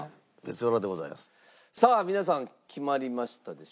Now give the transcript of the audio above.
さあ皆さん決まりましたでしょうか？